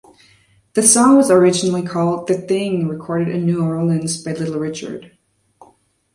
The song was originally called "The Thing", recorded in New Orleans by Little Richard.